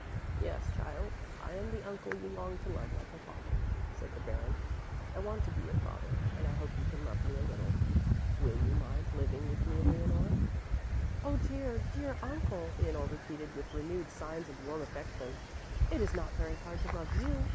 "Yes, child, I am the uncle you longed to love like a father," said the Baron. "I want to be your father and I hope you can love me a little. Will you mind living with me, Leonore?" "Oh, dear, dear uncle," Leonore repeated with renewed signs of warm affection. "It is not very hard to love you.